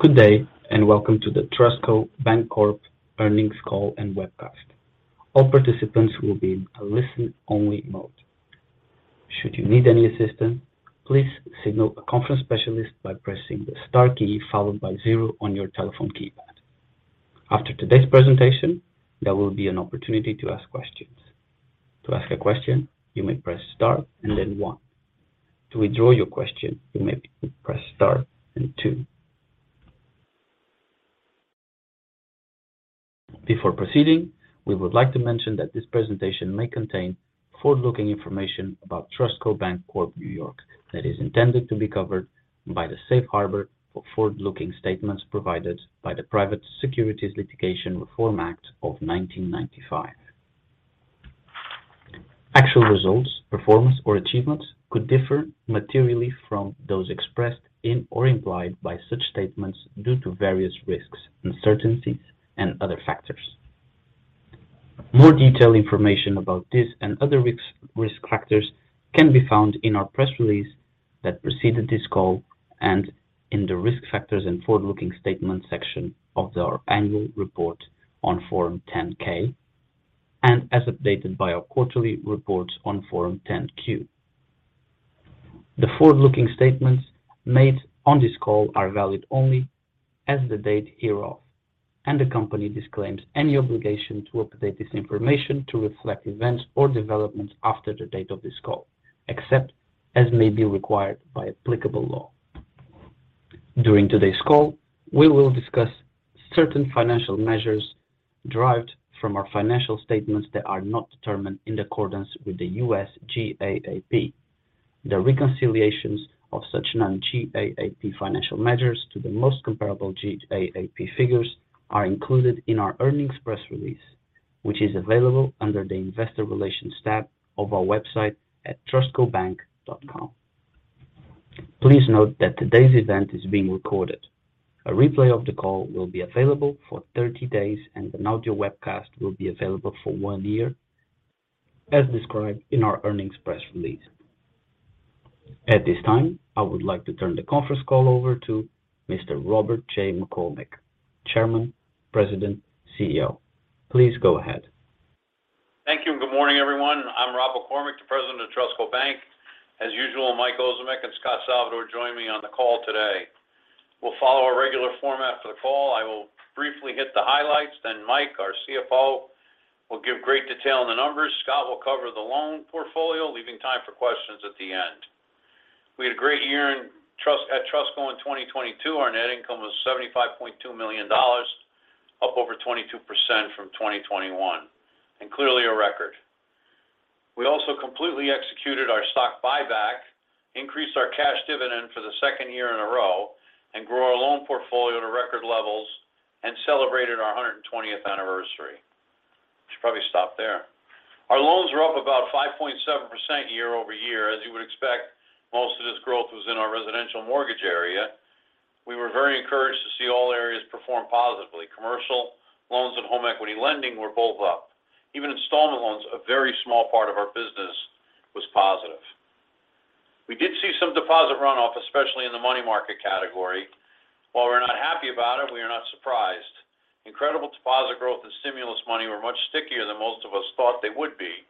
Good day, and welcome to the TrustCo Bancorp Earnings Call and Webcast. All participants will be in a listen-only mode. Should you need any assistance, please signal a conference specialist by pressing the star key followed by zero on your telephone keypad. After today's presentation, there will be an opportunity to ask questions. To ask a question, you may press star and then one. To withdraw your question, you may press star and two. Before proceeding, we would like to mention that this presentation may contain forward-looking information about TrustCo Bancorp, New York that is intended to be covered by the safe harbor for forward-looking statements provided by the Private Securities Litigation Reform Act of 1995. Actual results, performance, or achievements could differ materially from those expressed in or implied by such statements due to various risks, uncertainties, and other factors. More detailed information about this and other risk factors can be found in our press release that preceded this call and in the Risk Factors and Forward-Looking Statements section of our annual report on Form 10-K and as updated by our quarterly reports on Form 10-Q. The forward-looking statements made on this call are valid only as the date hereof, and the company disclaims any obligation to update this information to reflect events or developments after the date of this call, except as may be required by applicable law. During today's call, we will discuss certain financial measures derived from our financial statements that are not determined in accordance with the U.S. GAAP. The reconciliations of such non-GAAP financial measures to the most comparable GAAP figures are included in our earnings press release, which is available under the Investor Relations tab of our website at trustcobank.com. Please note that today's event is being recorded. A replay of the call will be available for 30 days, and an audio webcast will be available for one year, as described in our earnings press release. At this time, I would like to turn the conference call over to Mr. Robert J. McCormick, Chairman, President, CEO. Please go ahead. Thank you, good morning, everyone. I'm Rob McCormick, the President of Trustco Bank. As usual, Mike Ozimek and Scot Salvador join me on the call today. We'll follow our regular format for the call. I will briefly hit the highlights, then Mike, our CFO, will give great detail on the numbers. Scott will cover the loan portfolio, leaving time for questions at the end. We had a great year at Trustco Bank in 2022. Our net income was $75.2 million, up over 22% from 2021, and clearly a record. We also completely executed our stock buyback, increased our cash dividend for the second year in a row, and grew our loan portfolio to record levels and celebrated our 120th anniversary. Should probably stop there. Our loans were up about 5.7% year-over-year. As you would expect, most of this growth was in our residential mortgage area. We were very encouraged to see all areas perform positively. Commercial loans and home equity lending were both up. Even installment loans, a very small part of our business, was positive. We did see some deposit runoff, especially in the money market category. While we're not happy about it, we are not surprised. Incredible deposit growth and stimulus money were much stickier than most of us thought they would be.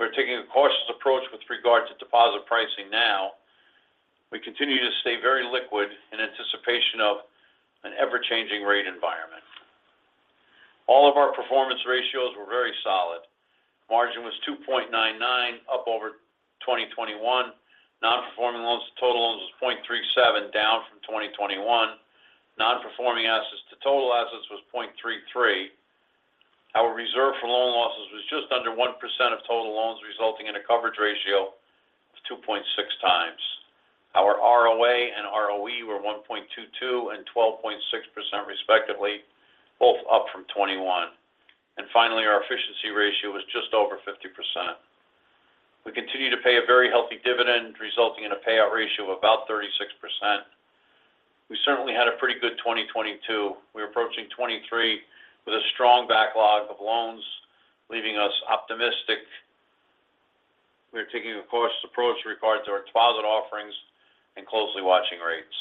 We're taking a cautious approach with regard to deposit pricing now. We continue to stay very liquid in anticipation of an ever-changing rate environment. All of our performance ratios were very solid. Margin was 2.99, up over 2021. Non-Performing Loans to total loans was 0.37, down from 2021. Non-Performing Assets to total assets was 0.33. Our reserve for loan losses was just under 1% of total loans, resulting in a coverage ratio of 2.6x. Our ROA and ROE were 1.22 and 12.6% respectively, both up from 2021. Finally, our efficiency ratio was just over 50%. We continue to pay a very healthy dividend, resulting in a payout ratio of about 36%. We certainly had a pretty good 2022. We're approaching 2023 with a strong backlog of loans, leaving us optimistic. We're taking a cautious approach with regard to our deposit offerings and closely watching rates.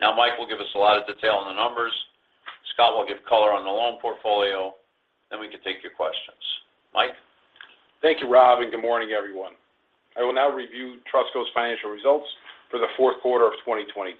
Now Mike will give us a lot of detail on the numbers. Scot will give color on the loan portfolio, we can take your questions. Mike? Thank you, Rob, and good morning, everyone. I will now review Trustco's financial results for the fourth quarter of 2022.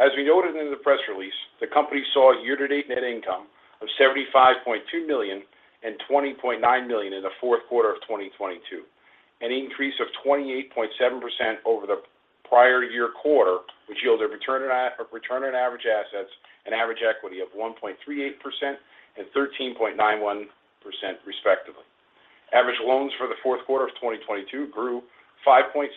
As we noted in the press release, the company saw a year-to-date net income of $75.2 million and $20.9 million in the fourth quarter of 2022, an increase of 28.7% over the prior year quarter, which yielded return on average assets and average equity of 1.38% and 13.91% respectively. Average loans for the fourth quarter of 2022 grew 5.7%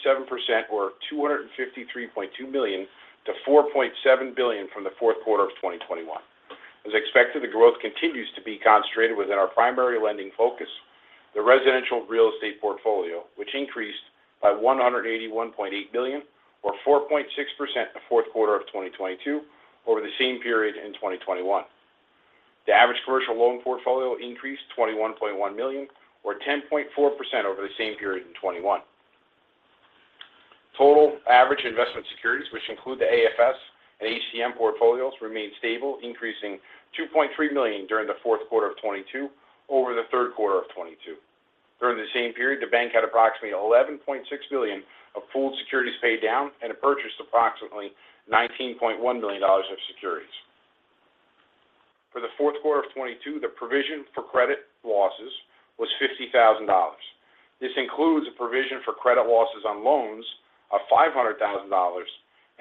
or $253.2 million to $4.7 billion from the fourth quarter of 2021. As expected, the growth continues to be concentrated within our primary lending focus, the residential real estate portfolio, which increased by $181.8 million or 4.6% in the fourth quarter of 2022 over the same period in 2021. The average commercial loan portfolio increased $21.1 million or 10.4% over the same period in 2021. Total average investment securities, which include the AFS and HTM portfolios, remained stable, increasing $2.3 million during the fourth quarter of 2022 over the third quarter of 2022. During the same period, the bank had approximately $11.6 million of pooled securities paid down and it purchased approximately $19.1 million of securities. For the fourth quarter of 2022, the provision for credit losses was $50,000. This includes a provision for credit losses on loans of $500,000 and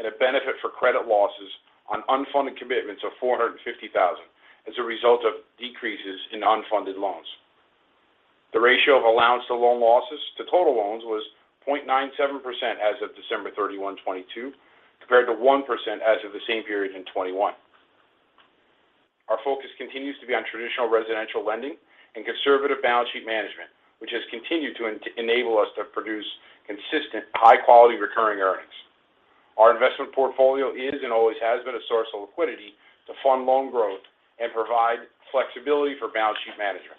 a benefit for credit losses on unfunded commitments of $450,000 as a result of decreases in unfunded loans. The ratio of allowance to loan losses to total loans was 0.97% as of December 31, 2022, compared to 1% as of the same period in 2021. Our focus continues to be on traditional residential lending and conservative balance sheet management, which has continued to enable us to produce consistent, high-quality recurring earnings. Our investment portfolio is, and always has been, a source of liquidity to fund loan growth and provide flexibility for balance sheet management.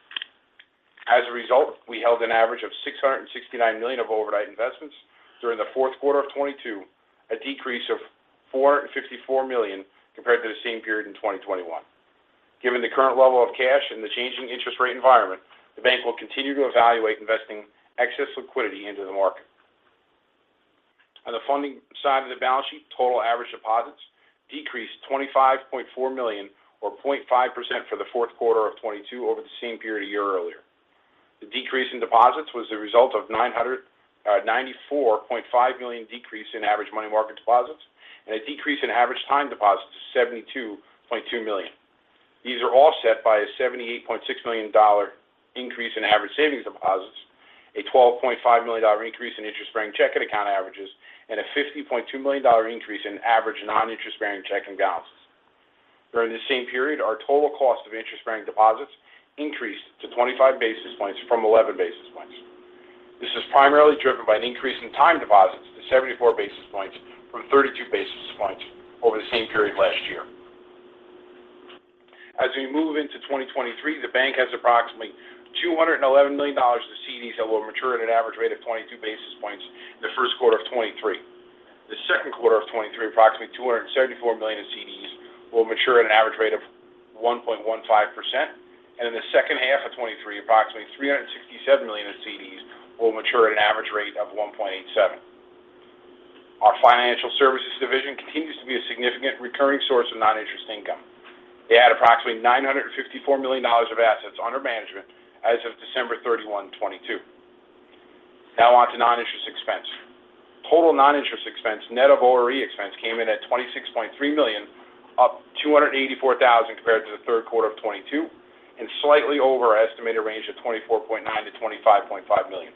As a result, we held an average of $669 million of overnight investments during the fourth quarter of 2022, a decrease of $454 million compared to the same period in 2021. Given the current level of cash and the changing interest rate environment, the bank will continue to evaluate investing excess liquidity into the market. On the funding side of the balance sheet, total average deposits decreased $25.4 million or 0.5% for the fourth quarter of 2022 over the same period a year earlier. The decrease in deposits was the result of $94.5 million decrease in average money market deposits and a decrease in average time deposits of $72.2 million. These are offset by a $78.6 million increase in average savings deposits, a $12.5 million increase in interest-bearing checking account averages, and a $50.2 million increase in average non-interest bearing checking balances. During the same period, our total cost of interest-bearing deposits increased to 25 basis points from 11 basis points. This is primarily driven by an increase in time deposits to 74 basis points from 32 basis points over the same period last year. As we move into 2023, the bank has approximately $211 million of CDs that will mature at an average rate of 22 basis points in the first quarter of 23. The second quarter of 23, approximately $274 million in CDs will mature at an average rate of 1.15%. In the second half of 2023, approximately $367 million in CDs will mature at an average rate of 1.87%. Our financial services division continues to be a significant recurring source of non-interest income. They had approximately $954 million of assets under management as of December 31, 2022. Now on to non-interest expense. Total non-interest expense, net of ORE expense, came in at $26.3 million, up $284,000 compared to the third quarter of 2022 and slightly over our estimated range of $24.9 million-$25.5 million.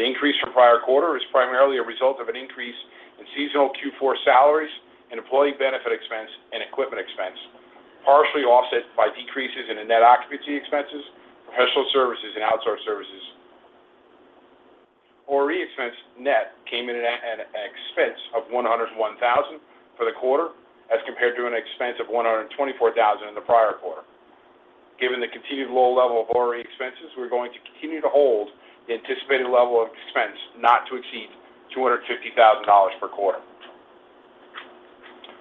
The increase from prior quarter is primarily a result of an increase in seasonal Q4 salaries and employee benefit expense and equipment expense, partially offset by decreases in the net occupancy expenses, professional services, and outsourced services. ORE expense net came in at an expense of $101,000 for the quarter as compared to an expense of $124,000 in the prior quarter. Given the continued low level of ORE expenses, we're going to continue to hold the anticipated level of expense not to exceed $250,000 per quarter.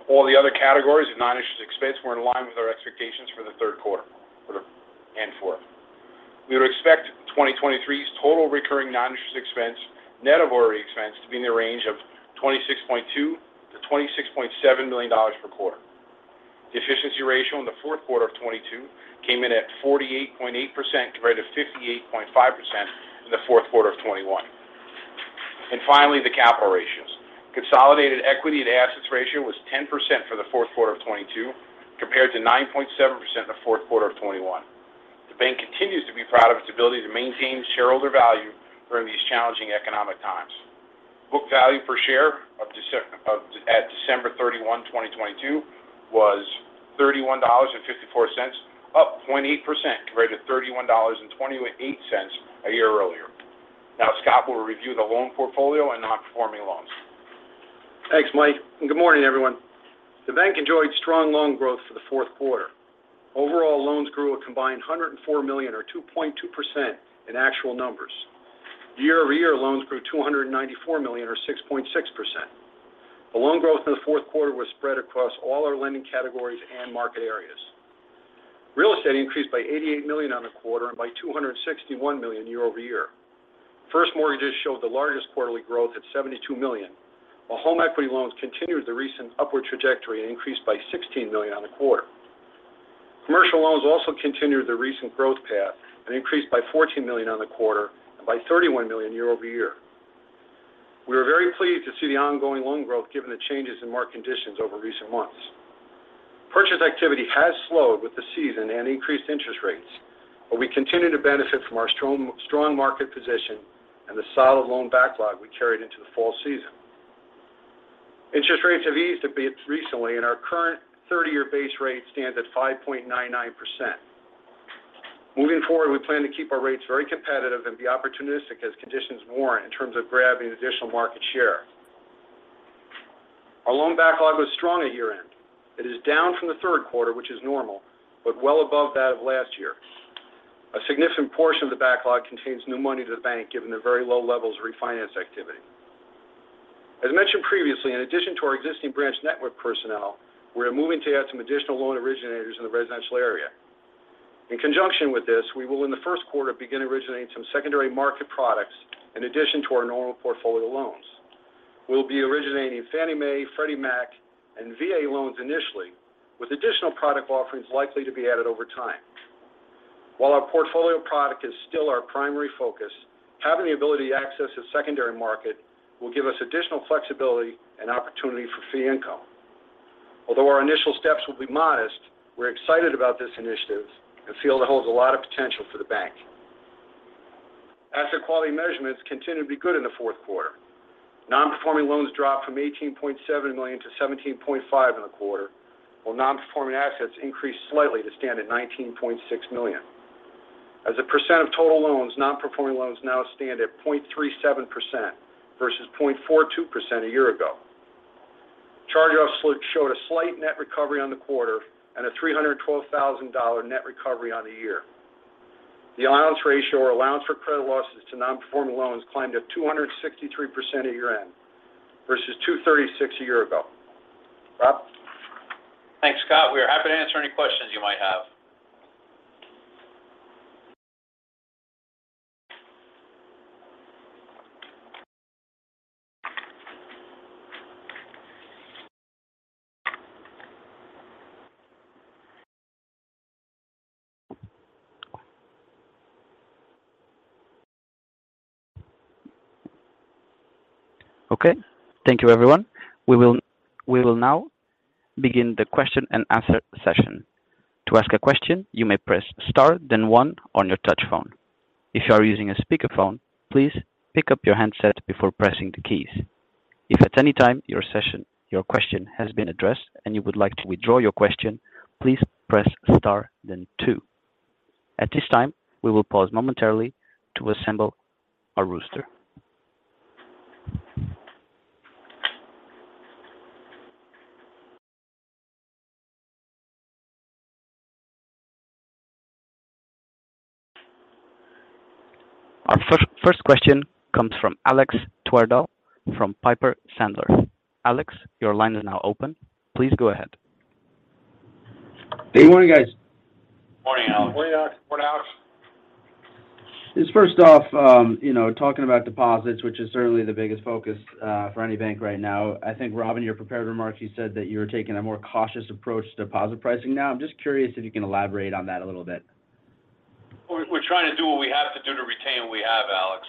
All the other categories of non-interest expense were in line with our expectations for the third quarter, fourth. We would expect 2023's total recurring non-interest expense, net of ORE expense, to be in the range of $26.2 million-$26.7 million per quarter. The efficiency ratio in the fourth quarter of 2022 came in at 48.8% compared to 58.5% in the fourth quarter of 2021. Finally, the capital ratios. Consolidated equity to assets ratio was 10% for the fourth quarter of 2022, compared to 9.7% in the fourth quarter of 2021. The bank continues to be proud of its ability to maintain shareholder value during these challenging economic times. Book value per share at December 31, 2022 was $31.54, up 0.8% compared to $31.28 a year earlier. Scot will review the loan portfolio and non-performing loans. Thanks, Mike. Good morning, everyone. The bank enjoyed strong loan growth for the fourth quarter. Overall, loans grew a combined $104 million or 2.2% in actual numbers. Year-over-year, loans grew $294 million or 6.6%. The loan growth in the fourth quarter was spread across all our lending categories and market areas. Real estate increased by $88 million on the quarter and by $261 million year-over-year. First mortgages showed the largest quarterly growth at $72 million, while home equity loans continued the recent upward trajectory and increased by $16 million on the quarter. Commercial loans also continued the recent growth path and increased by $14 million on the quarter and by $31 million year-over-year. We are very pleased to see the ongoing loan growth given the changes in market conditions over recent months. Purchase activity has slowed with the season and increased interest rates, but we continue to benefit from our strong market position and the solid loan backlog we carried into the fall season. Interest rates have eased a bit recently, and our current 30-year base rate stands at 5.99%. Moving forward, we plan to keep our rates very competitive and be opportunistic as conditions warrant in terms of grabbing additional market share. Our loan backlog was strong at year-end. It is down from the third quarter, which is normal, but well above that of last year. A significant portion of the backlog contains new money to the bank, given the very low levels of refinance activity. As mentioned previously, in addition to our existing branch network personnel, we are moving to add some additional loan originators in the residential area. In conjunction with this, we will in the first quarter begin originating some secondary market products in addition to our normal portfolio loans. We'll be originating Fannie Mae, Freddie Mac, and VA loans initially, with additional product offerings likely to be added over time. While our portfolio product is still our primary focus, having the ability to access a secondary market will give us additional flexibility and opportunity for fee income. Although our initial steps will be modest, we're excited about this initiative and feel it holds a lot of potential for the bank. Asset quality measurements continued to be good in the fourth quarter. Non-Performing Loans dropped from $18.7 million to $17.5 million in the quarter, while non-performing assets increased slightly to stand at $19.6 million. As a percent of total loans, Non-Performing Loans now stand at 0.37% versus 0.42% a year ago. Charge-offs showed a slight net recovery on the quarter and a $312,000 net recovery on the year. The allowance ratio or allowance for credit losses to Non-Performing Loans climbed to 263% at year-end versus 236% a year ago. Rob? Thanks, Scot. We are happy to answer any questions you might have. Okay. Thank you, everyone. We will now begin the question and answer session. To ask a question, you may press star then one on your touch phone. If you are using a speakerphone, please pick up your handset before pressing the keys. If at any time your question has been addressed and you would like to withdraw your question, please press star then two. At this time, we will pause momentarily to assemble a roster. Our first question comes from Alexander Twerdahl from Piper Sandler. Alex, your line is now open. Please go ahead. Good morning, guys. Morning, Alex. Morning, Alex. Just first off, you know, talking about deposits, which is certainly the biggest focus for any bank right now. I think Rob, in your prepared remarks, you said that you were taking a more cautious approach to deposit pricing now. I'm just curious if you can elaborate on that a little bit. We're trying to do what we have to do to retain what we have, Alex.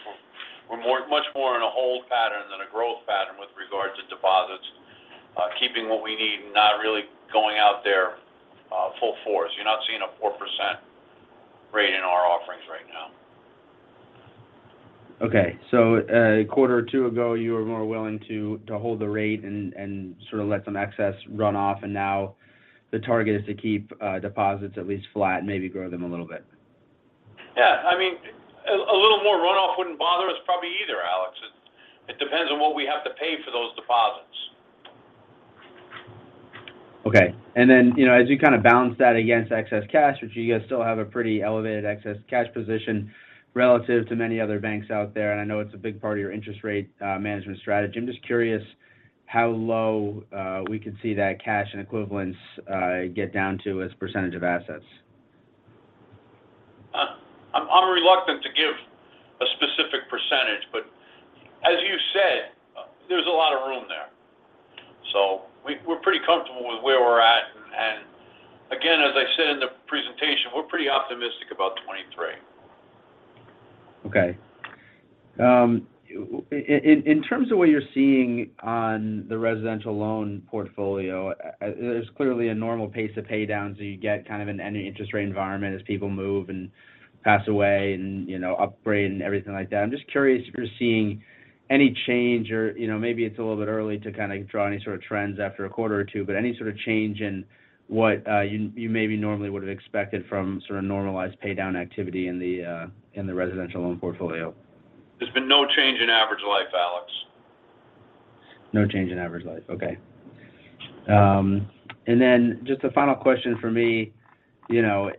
We're much more in a hold pattern than a growth pattern with regards to deposits. Keeping what we need and not really going out there, full force. You're not seeing a 4% rate in our offerings right now. Okay. A quarter or two ago, you were more willing to hold the rate and sort of let some excess run off, and now the target is to keep deposits at least flat, maybe grow them a little bit. Yeah. I mean, a little more runoff wouldn't bother us probably either, Alex. It depends on what we have to pay for those deposits. Okay. you know, as you kind of balance that against excess cash, which you guys still have a pretty elevated excess cash position relative to many other banks out there, and I know it's a big part of your interest rate management strategy. I'm just curious how low we could see that cash and equivalents get down to as percentage of assets. I'm reluctant to give a specific percentage, but as you said, there's a lot of room there. We're pretty comfortable with where we're at. Again, as I said in the presentation, we're pretty optimistic about 23. Okay. In terms of what you're seeing on the residential loan portfolio, there's clearly a normal pace of pay down. You get kind of in any interest rate environment as people move and pass away and, you know, upgrade and everything like that. I'm just curious if you're seeing any change or, you know, maybe it's a little bit early to kind of draw any sort of trends after a quarter or two. Any sort of change in what you maybe normally would have expected from sort of normalized pay down activity in the residential loan portfolio? There's been no change in average life, Alex. No change in average life. Okay. Just a final question for me. You know,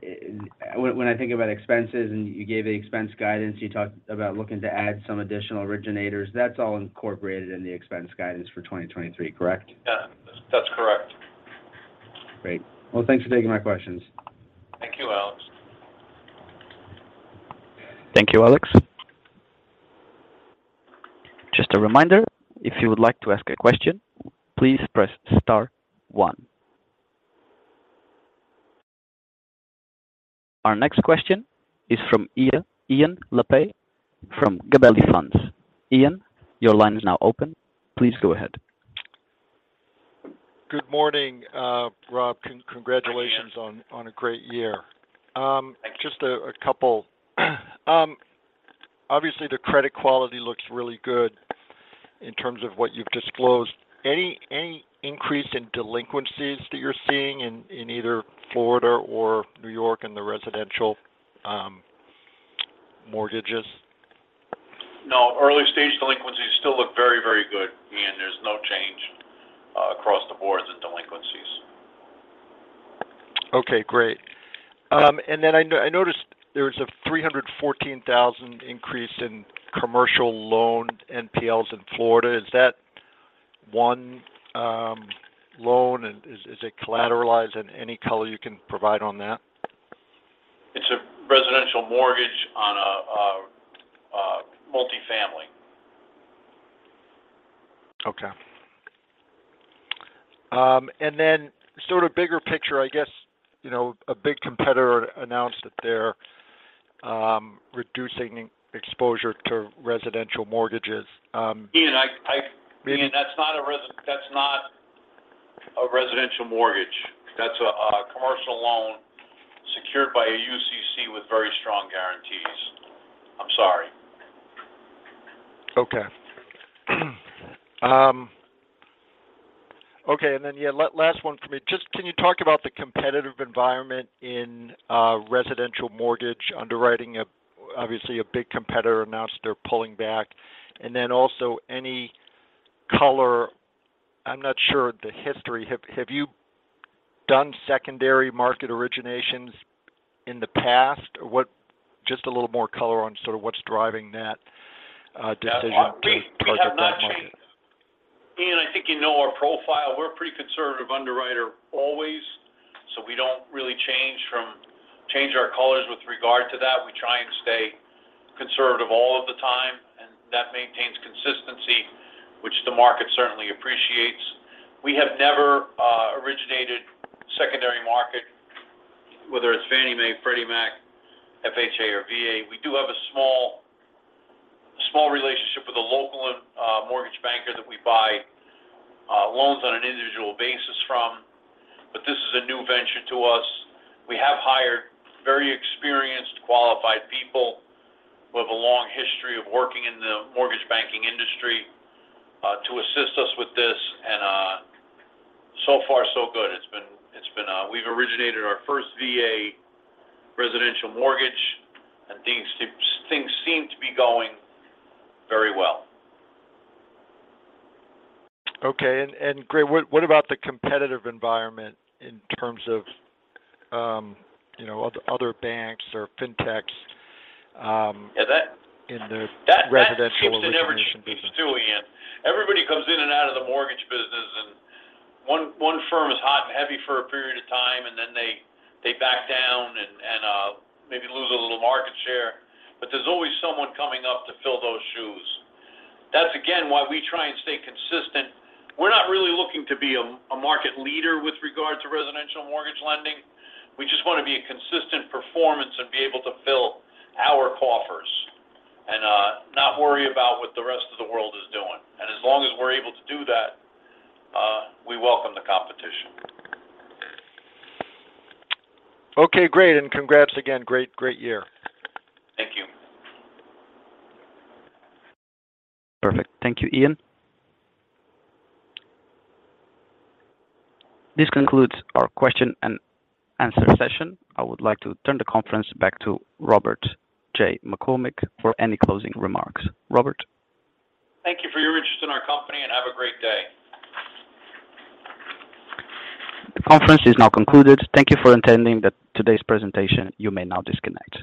when I think about expenses and you gave the expense guidance, you talked about looking to add some additional originators. That's all incorporated in the expense guidance for 2023, correct? Yeah, that's correct. Great. Well, thanks for taking my questions. Thank you, Alex. Thank you, Alex. Just a reminder, if you would like to ask a question, please press star one. Our next question is from Ian Lapey from Gabelli Funds. Ian, your line is now open. Please go ahead. Good morning, Rob. Congratulations. Hi, Ian. On a great year. Thanks. Just a couple. Obviously the credit quality looks really good in terms of what you've disclosed. Any increase in delinquencies that you're seeing in either Florida or New York in the residential? Mortgages? No. Early stage delinquencies still look very, very good, Ian. There's no change across the board in delinquencies. Okay, great. I noticed there was a $314,000 increase in commercial loan NPLs in Florida. Is that one loan? Is it collateralized? Any color you can provide on that? It's a residential mortgage on a multi-family. Okay. Sort of bigger picture, I guess, you know, a big competitor announced that they're reducing exposure to residential mortgages, Ian, I Ian, that's not a residential mortgage. That's a commercial loan secured by a UCC with very strong guarantees. I'm sorry. Okay. Okay. Yeah, last one for me. Just can you talk about the competitive environment in residential mortgage underwriting? Obviously, a big competitor announced they're pulling back. Also any color... I'm not sure the history. Have you done secondary market originations in the past? Just a little more color on sort of what's driving that decision with regard to that market. Ian, I think you know our profile. We're a pretty conservative underwriter always, so we don't really change our colors with regard to that. We try and stay conservative all of the time, and that maintains consistency, which the market certainly appreciates. We have never originated secondary market, whether it's Fannie Mae, Freddie Mac, FHA, or VA. We do have a small relationship with a local mortgage banker that we buy loans on an individual basis from, but this is a new venture to us. We have hired very experienced, qualified people who have a long history of working in the mortgage banking industry to assist us with this. So far so good. It's been... We've originated our first VA residential mortgage and things seem to be going very well. Okay. Great. What about the competitive environment in terms of, you know, other banks or fintechs? Yeah, in the residential origination business? That seems to never change, Ian. Everybody comes in and out of the mortgage business, and one firm is hot and heavy for a period of time, and then they back down and, maybe lose a little market share. There's always someone coming up to fill those shoes. That's again why we try and stay consistent. We're not really looking to be a market leader with regard to residential mortgage lending. We just wanna be a consistent performance and be able to fill our coffers and not worry about what the rest of the world is doing. As long as we're able to do that, we welcome the competition. Okay, great. Congrats again. Great year. Thank you. Perfect. Thank you, Ian. This concludes our question and answer session. I would like to turn the conference back to Robert J. McCormick for any closing remarks. Robert? Thank you for your interest in our company, and have a great day. The conference is now concluded. Thank you for attending today's presentation. You may now disconnect.